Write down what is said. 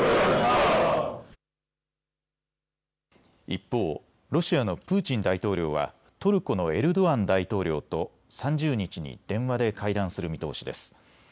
一方、ロシアのプーチン大統領はトルコのエルドアン大統領と３０日に電話で会談する見通しです。